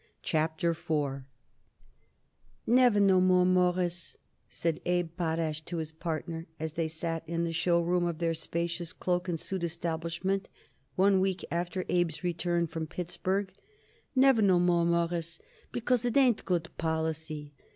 CHAPTER IV "Never no more, Mawruss," said Abe Potash to his partner as they sat in the show room of their spacious cloak and suit establishment one week after Abe's return from Pittsburgh. "Never no more, Mawruss, because it ain't good policy.